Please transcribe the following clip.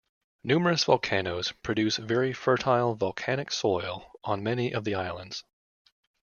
Numerous volcanoes produce very fertile volcanic soil on many of the islands.